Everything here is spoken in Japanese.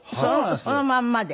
そのまんまで。